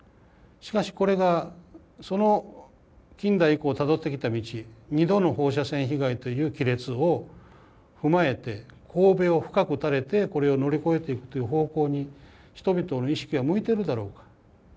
しかしこれが近代以降たどってきた道２度の放射線被害という亀裂を踏まえて頭を深く垂れてこれを乗り越えていくという方向に人々の意識は向いているだろうか。